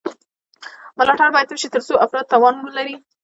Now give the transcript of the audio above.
ملاتړ باید وشي ترڅو افراد توان ولري.